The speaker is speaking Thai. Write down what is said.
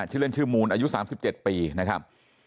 ชื่อเล่นชื่อมูลอายุ๓๗ปีนะครับ